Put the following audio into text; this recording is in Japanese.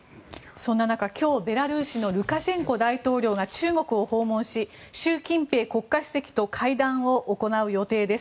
そんな中今日、ベラルーシのルカシェンコ大統領が中国を訪問し習近平国家主席と会談を行う予定です。